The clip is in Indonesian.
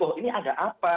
oh ini ada apa